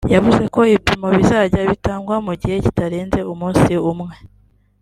yavuze ko ibipimo bizajya bitagwa mu gihe kitarenze umunsi umwe